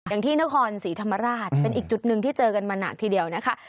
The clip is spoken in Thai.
อย่างที่นครศรีธรรมราชเป็นอีกจุดหนึ่งที่เจอกันมาหนักทีเดียวนะคะ